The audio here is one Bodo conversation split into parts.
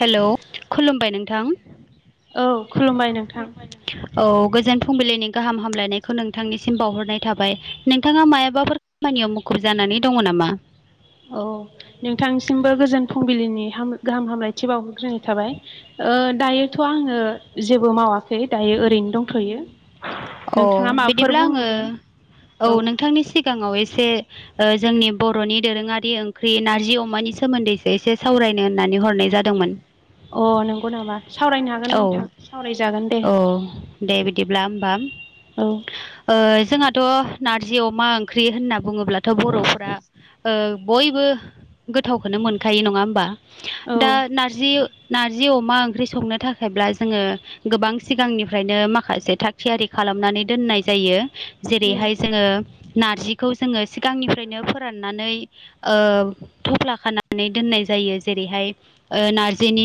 हेल' खुलुमबाय नोंथां औ औ खुलुमबाय नोंथां खुलुमबाय औ गोजोन फुंबिलिनि गाहाम हामलायनायखौ नोंथांनिसिम बावहरनाय थाबाय नोंथाङा मायाबाफोर खामानियाव मुखुब जानानै दङ नामा औ नोंथांसिमबो गोजोन फुंबिलिनि गाहाम हामलायथि बावहरग्रोनाय थाबाय ओ दायोथ' आङो जेबो मावाखै दायो ओरैनो दंथ'यो अ नोंथाङा माबाफोर बिदिब्ला आङो बुङोब्ला औ नोंथांनि सिगाङाव एसे ओ जोंनि बर'नि दोरोङारि ओंख्रि नारजि अमानि सोमोन्दैसो एसे सावरायनो होननानै हरनाय जादोंमोन अ नंगौ नामा सावरायनो हा औ औ दे बिदिब्ला होमबा औ ओ जोंहाथ' नारजि अमा ओंख्रि होनना बुङोब्लाथ' बर'फ्रा ओ बयबो गोथावखौनो मोनखायो नङा होमबा औ दा नारजि नार जि अमा ओंख्रि संनो थाखायब्ला जोङो गोबां सिगांनिफ्रायनो माखासे थाग थियारि खालामनानै दोननाय जायो उम जेरैहाय जोङो नारजिखौ जोङो सिगांनिफ्रायनो फोराननानै ओ थफ्ला खानानै दोननाय जायो जेरैहाय ओ नारजिनि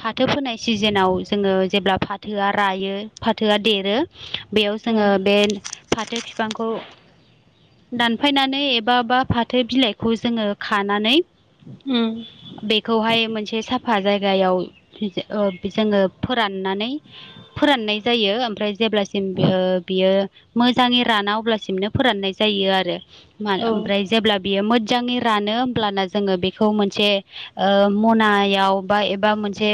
फाथो फोनाय सिजेनाव जोङो जेब्ला फाथोआ रायो फाथोआ देरो बेयाव जोङो बे फाथो फिफांखौ दानफायनानै एबा बा फाथो बिलाइखौ जोङो खानानै हुम बेखौहाय मोनसे साफा जायगायाव ओ बि जोङो फोराननानै फोराननाय जायो ओमफ्राय जेब्लासिम बियो मोजाङै राना अब्लासिमनो फोराननाय जायो आरो औ ओमफ्राय जेब्ला बियो मोजाङै रानो होमब्लाना जोङो बेखौ मोनसे ओ मनायाव बा एबा मोनसे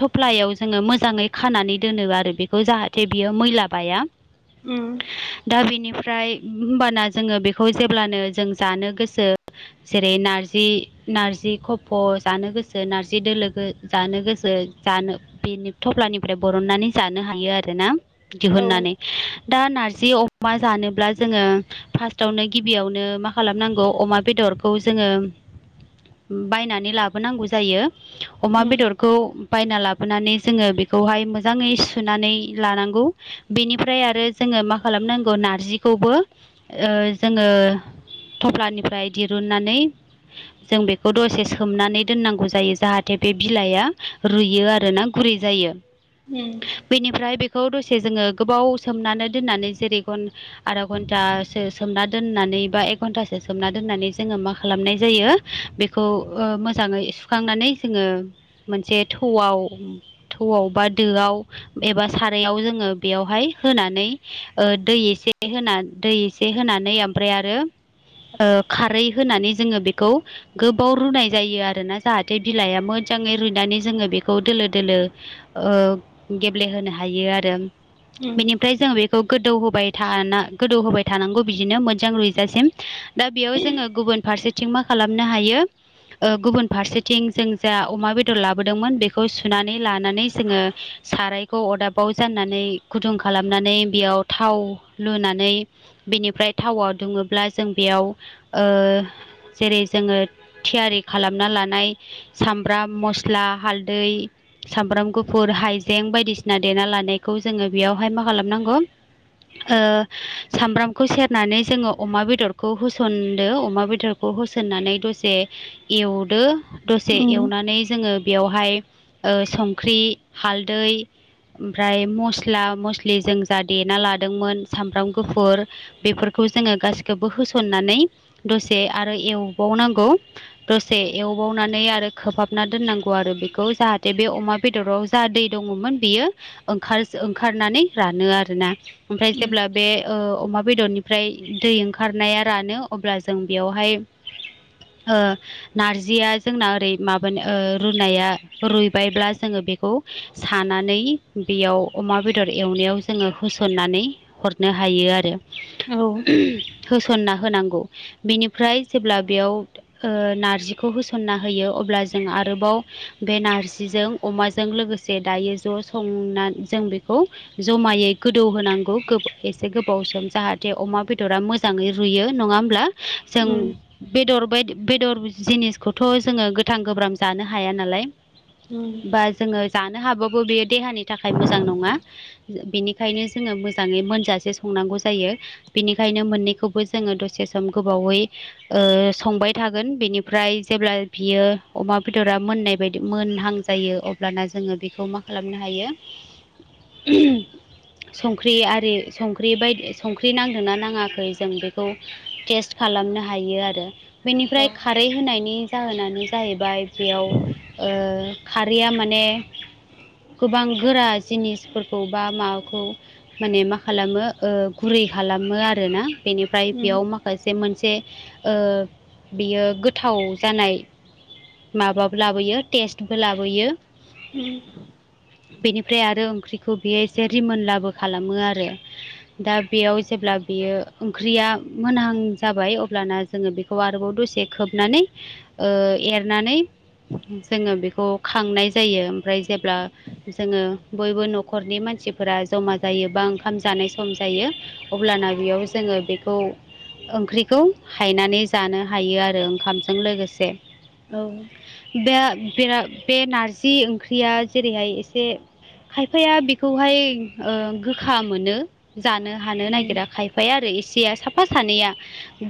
थफ्लायाव जोङो मोजाङै खानानै दोनो आरो बेखौ जाहाथे बियो मैला बाया उम दा बेनिफ्राय होमबाना जोङो बेखौ जेब्लानो जों जानो गोसो जेरै नारजि नारजि खफ' जानो गोसो नारजि दोलो जानो गो सो जानो बेनि थफ्लानिफ्राय बरननानै जानो हायो आरोना औ दिहुननानै दा नारजि अमा जानोब्ला जोङो फार्स्टआवनो गिबियावनो मा खालामनांगौ अमा बेदरखौ जोङो बायनानै लाबोनांगौ जायो अमा उम बेदर खौ बायना लाबोनानै जोङो बेखौहाय मोजाङै सुनानै लानांगौ बेनिफ्राय आरो जोङो मा खालामनांगौ नारजिखौबो जोङो थफ्लानिफ्राय दिरुननानै जों बेखौ दसे सोमनानै दोननांगौ जायो जाहाथे बे बिलाइआ रुइयो आरो ना गुरै जायो उम बेनिफ्राय बेखौ दसे जोङो गोबाव सोमनानै दोननानै जेरै गन आधा घन्टासो सोमना दोननानै बा एक घन्टासो सोमना दोननानै जोङो मा खालामनाय जायो बेखौ ओ मोजाङै सुखांनानै जोङो मोनसे थौआव थौआव बा दोआव एबा सारयाव जोङो बेयावहाय होनानै ओ दै एसे होना दै एसे होनानै ओमफ्राय आरो खारै होनानै जोङो बेखौ गोबाव रुनाय जायो आरोना जाहाथे बिलाइआ मो जाङै रुइनानै जोङो बेखौ दोलो दोलो गेब्लेहोनो हायो आरो उम बेनिफ्राय जोङो बेखौ गोदौ होबाय थाना गोदौ होबाय थानांगौ बिदिनो मोजां रुइजासिम दा बेयाव जोङो गुबुन फारसेथिं मा खालामनो हायो ओ गुबुन फारसेथिं जों जा अमा बेदर लाबोदोंमोन बेखौ सुनानै लानानै जोङो सारायखौ अरदाबाव जाननानै गुदुं खालामनानै बेयाव थाव लुनानै बेनिफ्राय थावआव दुङोब्ला जों बेयाव जेरै जोङो थियारि खालामना लानाय साम ब्राम मस्ला हालदै सामब्राम गुफुर हाइजें बायदिसिना देना लानायखौ जोङो बेयावहाय मा खालामनांगौ ओ सामब्रामखौ सेरनानै जोङो अमा बेदरखौ होसनदो अमा बेदर खौ होसन्नानै दसे एवदो दसे उम एवनानै जोङो बेयावहाय ओ संख्रि हालदै ओमफ्राय मस्ला मस्लि जों जा देना लादोंमोन सामब्राम गुफुर बेफोरखौ जोङो गासिखौबो होसननानै दसे आरो एवबावनांगौ दसे एवबावनानै आरो खोबहाबना दोननांगौ आरो बेखौ जाहाथे बे अमा बेदराव जा दै दङमोन बियो ओंखार ओंखारनानै रानो आरो ना ओमफ्राय उम जेब्ला बे ओ अमा बेदरनिफ्राय दै ओंखारनाया रानो अब्ला जों बेयावहाय ओ नारजिया जोंना ओरै माबानो ओ रुनाया रुइबायब्ला जोङो बेखौ सानानै बेयाव अमा बेदर एवनायाव जोङो होसननानै हरनो हायो आरो औ होसनना होनांगौ बेनिफ्राय जेब्ला बेयाव ओ नारजिखौ होसनना होयो अब्ला जों आरोबाव बे नारजिजों अमाजों लोगोसे दायो ज' संना जों बेखौ जमायै गोदौ होनांगौ गोब एसे गोबाव सम जाहाथे अमा बेदरा मोजां मोजाङै रुयो नङा होमब्ला जों उम बेदर बायदि बेदर जिनिसखौथ' जोङो गोथां गोब्रां जानो हाया नालाय उम बा जोङो जानो हाबाबो बेयो देहानि थाखाय मोजां नङा बेनिखायनो जोङो मोजाङै मोनजासे संनांगौ जायो बेनिखायनो मोननैखौबो जोङो दसे सम गोबावै ओ संबाय थागोन बेनिफ्राय जेब्ला बियो अमा बेदरा मोननाय बायदि मोनहां जायो अब्लाना जोङो बेखौ मा खालामनो हायो [unintelligible] संख्रि आरि संख्रि बायदि संख्रि नांदोंना नाङाखै जों बेखौ टेस्ट खालामनो हायो आरो औ बेनिफ्राय खारै होनायनि जाहोनानो जाहैबाय बेयाव ओ खारैया माने गोबां गोरा जिनिसफोरखौ बा माबाखौ माने मा खालामो ओ गुरै खालामो आरोना बेनिफ्राय उम बेयाव माखासे मोनसे ओ बियो गोथाव जानाय माबाबो लाबोयो टेस्टबो लाबोयो उम बेनिफ्राय आरो ओंख्रि खौ बेयो एसे रिमोनलाबो खालामो आरो दा बेयाव जेब्ला बियो ओंख्रिया मोनहां जाबाय अब्लाना जोङो बेखौ आरोबाव दसे खोबनानै एरनानै जोङो बेखौ खांनाय जायो ओमफ्राय जेब्ला जोङो बयबो न'खरनि मानसिफोरा जमा जायो बा ओंखाम जानाय सम जायो अब्लाना बेयाव जोङो बेखौ ओंख्रिखौ हायनानै जानो हायो आरो ओंखामजों लोगोसे औ बे बे नारजि ओंख्रिया जेरैहाय एसे खायफाया बेखौहाय गोखा मोनो जानो हानो उम नागिरा खायफाया आरो एसेया साफा सानैया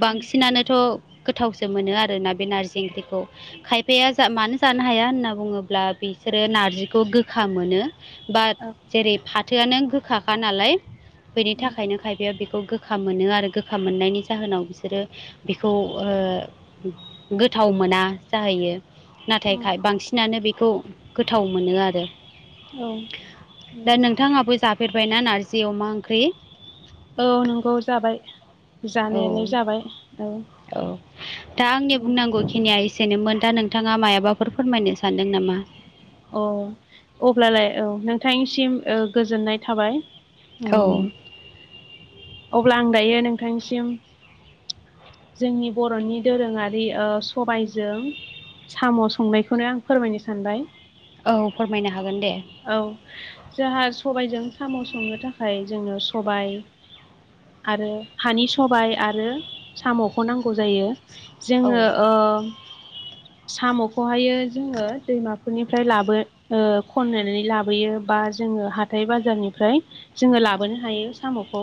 बांसिनानोथ' गोथावसो मोनो आरोना बे नारजि ओंख्रिखौ खायफाया जा मानो जानो हाया होनना बुङोब्ला बिसोरो नारजिखौ गोखा मोनो बा औ जेरै फाथोआनो गोखाखा नालाय बेनि उम थाखायनो खायफाया खौ गोखा मोनो आरो गोखा मोननायनि जाहोनाव बिसोरो बेखौ ओ गोथाव मोना जाहैयो नाथाय उम बांसिनानो बेखौ गोथाव मोनो आरो औ दा नोंथाङाबो जाफेरबायना नारजि अमा ओंख्रि औ नंगौ जाबाय औ जानायालाय जाबाय औ दा आंनिया बुंनांगौ खिनिया एसेनोमोन दा नोंथाङा मायबाफोर फोरमायनो सानदों नामा औ अब्लालाय औ नोंथांनिसिम गोजोननाय थाबाय उम औ अब्ला आं दायो नोंथांसिम जोंनि बर'नि दोरोङारि सबायजों साम' संनायखौनो आं फोरमायनो सानबाय औ फोरमायनो हागोन दे औ जोंहा सबायजों साम' संनो थाखाय जोंङो सबाय आरो हानि सबाय आरो साम'खौ नांगौ जायो औ जोङो ओ साम'खौहायो जोङो दैमा बेनिफ्राय लाबो खननानै लाबोयो बा जोङो हाथाय बाजारनिफ्राय जोङो लाबोनो हायो साम'खौ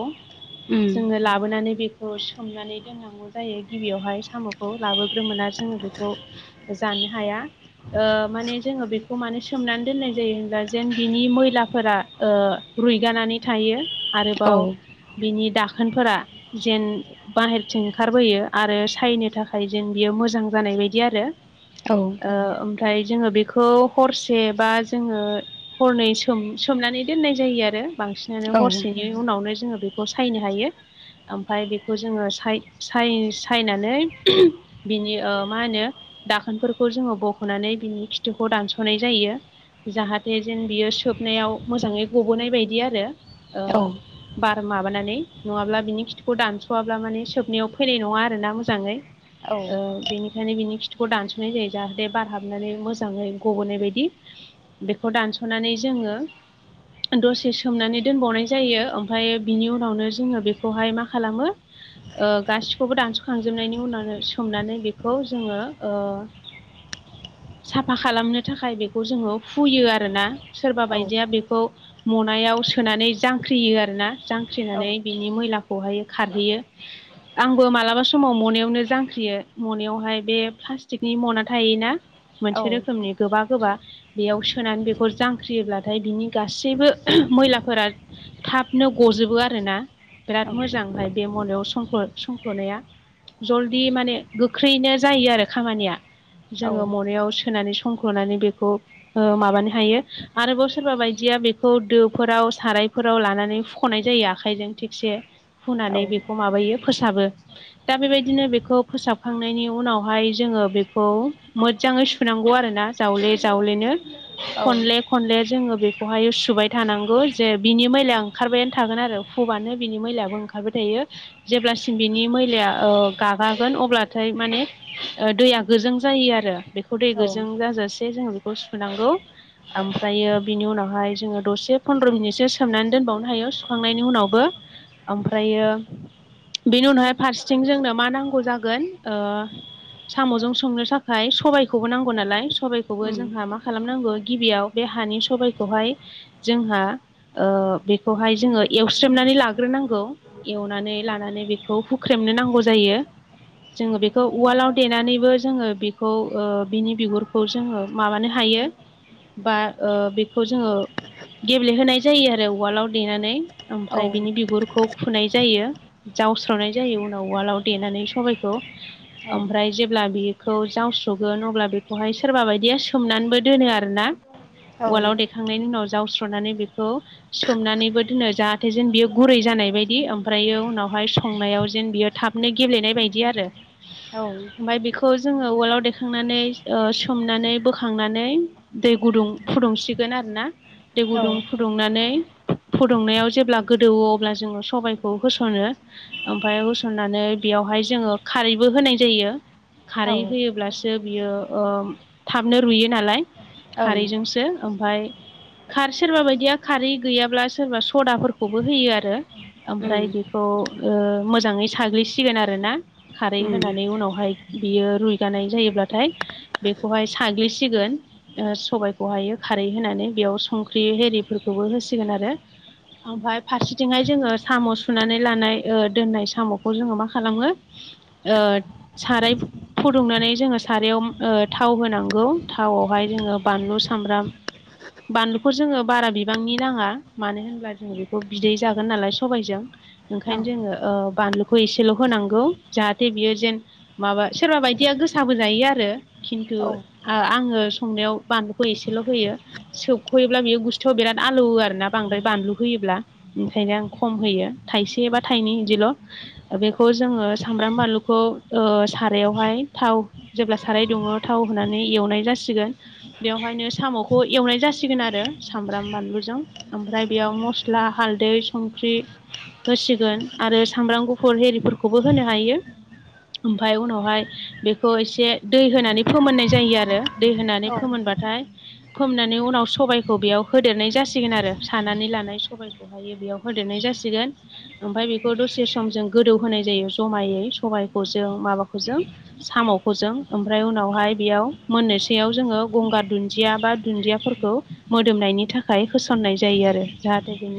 उम जोङो लाबोनानै बेखौ सोमनानै दोननांगौ जायो गिबियावहाय साम'खौ लाबोग्रोमोन आरो जोङो बेखौ जानो हाया माने जोङो बेखौ खौ माने सोमनानै दोननाय जायो होनब्ला जेन बिनि मैलाफोरा रुइगानानै थायो औ आरोबाव बिनि दाखोनफोरा जेन बाहेरथिं ओंखारबोयो आरो सायनो थाखाय जों बियो मोजां जानाय बायदि आरो औ ओमफ्राय जोङो बेखौ हरसे बा जोङो हरनै सोम सोमनानै दोननाय जायो आरो बांसिनानो औ हरसेनि उनावनो जोङो बेखौ सायनो हायो ओमफ्राय बेखौ जोङो साय सायनानै बिनि मा होनो दाखोनफोरखौ जोङो बख'नानै बिनि खिथुखौ दानस'नाय जायो जाहाथे जेन बियो सोबनायाव मोजाङै गबोनाय बायदि आरो औ बार माबानानै नङाब्ला बिनि खिथुखौ दानस'वाब्ला माने सोबनायाव फैनाय नङा आरोना मोजाङै औ बेनिखायनो बिनि बिखौ दानस'नाय जायो जाहाथे बारहाबनानै मोजाङै गबोनाय बायदि बेखौ दानस'नानै जोङो दसे सोमनानै दोनबावनाय जायो ओमफ्राय बिनि उनावनो जोङो बेखौहाय मा खालामो ओ गासिखौबो दानस'खांजोबनायनि उनाव सोमनानै बेखौ जोङो साफा खालामनो थाखाय बेखौ जोङो फुयो आरोना सोरबा बायदिया बेखौ मनायाव सोनानै जांख्रियो आरोना जांख्रिनानै बिनि मैलाखौहाय खारहैयो आंबो मालाबा समाव मनायावनो जांख्रियो मनायावहाय बे प्लास्टिकनि मना थायोना औ मोनसे रोखोमनि गोबा गोबा बेयाव सोनानै बेखौर जांख्रियोब्लाथाय बिनि गासैबो मैलाफोरा थाबनो गजोबो आरो ना बिराद मोजां ओमफाय बे मनायाव संख्ल' संख्ल'नाया जलदि माने गोख्रैनो जायो आरो खामानिया औ जोङो मनायाव सोनानै संख्ल'नानै बेखौ माबानो हायो आरोबाव सोरबा बायदिया बेखौ दोफोराव सारायफोराव लानानै फुख'नाय जायो आखाइजों थिगसे फुनानै बेखौ माबायो फोसाबो दा बेबायदिनो बेखौ फोसाबखांनायनि उनावहाय जोङो बेखौ मोजाङै सुनांगौ आरोना जावले जावलेनो खनले खनले जोङो बेखौहाय सुबाय थानांगौ जे बिनि मैलाया ओंखारबायानो थागोन आरो हुबानो बिनि मैलायाबो ओंखार ओंखारबाय थायो जेब्लासिम बिनि मैलाया गागागोन अब्लाथाय माने दैया गोजों जायो आरो बेखौ दै गोजों जाजासे जोङो बेखौ सुनांगौ। ओमफ्रायो बिनि उनावहाय जोङो दसे फन्द्र' मिनिटसो सोमनानै दोनबावनो हायो सुखांनायनि उनावबो ओमफ्रायो बेनि उनावहाय फारसेथिं जोंनो मा नांगौ जागोन साम'जों संनो थाखाय सबायखौबो नांगौ नालाय सबाइखौबो उम जोंहा माखासे। खालामनांगौ गिबियाव बे हानि सबायखौहाय जोंहा बेखौहाय जोङो एवस्रेमनानै लाग्रोनांगौ। एवनानै लानानै बेखौ हुख्रेमनो नांगौ जायो जोङो बेखौ उवालाव देनानैबो जोङो बेखौ बिनि बिगुरखौ जोङो माबानो हायो बा बेखौ जोङो गेब्लेहोनाय जायो आरो उवालआव देनानै औ ओमफ्राय बिनि बिगुरखौ फुनाय जायो जावस्रावनाय जायो उनाव उवालाव देनानै सबायखौ औ ओमफ्राय जेब्ला बेखौ जावस्रगोन अब्ला बेखौहाय सोरबा बायदिया सोमनानैबो दोनो आरोना वालाव औ दखांनायनि उनाव जावस्रनानै बेखौ सोमनानैबो दोनो जाहाथे जेन बियो गुरै जानाय बायदि ओमफ्रायो उनावहाय संनायाव जेन बियो थाबनो गेब्लेनाय बायदि आरो औ ओमफ्राय बेखौ जोङो उवालाव देखांनानै सोमनानै बोखांनानै। दै गुदुं फुदुंसिगोन आरोना दै औ गुदुं फुदुंनानै फुदुंनायाव जेब्ला गोदौवो अब्ला जोङो सबायखौ होस'नो ओमफ्राय होसननानै बेयावहाय जोङो खारैबो होनाय जयो औ खारै होयोब्लासो बियो थाबनो रुयो नालाय ओं खारैजोंसो ओमफाय खार सोरबा बायदिया खारै गैयाब्ला सोरबा सदाफोरखौबो होयो आरो। ओमफ्राय उम बेखौ मोजाङै साग्लिसिगोन आरो ना खारै होनानै। उनावहाय बियो रुइगानाय जायोब्लाथाय बेखौहाय साग्लिसिगोन सबायखौहायो खारै होनानै बेयाव संख्रि एरिफोरखौबो होसिगोन आरो ओमफ्राय फारसेथिंहाय जोङो साम' सुनानै लानाय दोननाय साम'खौ जोङो मा खालामो। आ साराय फुदुंनानै जोङो सायाव थाव होनांगौ थावआवहाय जोङो बानलु सामब्राम। बानलुखौ जोङो बारा बिबांनि नाङा मानो होनब्ला जोङो बेखौ बिदै जागोन नालाय सबायजों। ओंखायनो जोङो बानलुखौ एसेल' होनांगौ जाहाथे बियो जेन माबा सोरबा बायदिया गोसाबो जायो आरो खिन्थु औ औ आङो संनायाव बानलुखौ एसेल' होयो सोबख'योब्ला बियो गुसथिआव बिराद आलौवो आरोना बांद्राय बानलु होयोब्ला। ओंखायनो आं खम होयो थाइसे एबा थाइनै बिदिल' बेखौ जोङो सामब्राम बानलुखौ सारायावहाय थाव जेब्ला साराय दङ थाव होनानै एवनाय जासिगोन बेवहायनो साम'खौ एवनाय जासिगोन आरो सामब्राम बानलुजों ओमफ्राय बेयाव मस्ला हाल्दै संख्रि होसिगोन आरो सामब्राम गुफुर एरिफोरखौबो होनो हायो। ओमफफ्राय उनावहाय बेखौ एसे दै होनानै फोमोननाय जायो आरो दै होनानै फोमोनबाथाय फोमनानै उनाव सबाइखौ बेयाव होदेरनाय जासिगोन आरो सानानै लानाय सबायखौ बेहायो बेयाव होदेरनाय जासिगोन ओमफ्राय बेखौ दसे सम जों गोदौ होनोनाय जायो जमायै सबायखौ जों माबाखौ जों साम'खौजों ओमफ्राय उनावहाय बेयाव मोननैसयाव जोङो गंगार दुन्दिया बा दुन्दिया फोरखौ मोदोमनायनि थाखाय होसननाय जायो आरो जाहाथे बेनि